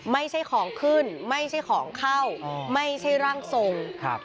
ไม่ใช่ของขึ้นไม่ใช่ของเข้าไม่ใช่ร่างทรงครับ